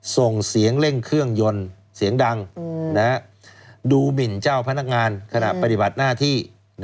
ส่งเสียงเร่งเครื่องยนต์เสียงดังดูหมินเจ้าพนักงานขณะปฏิบัติหน้าที่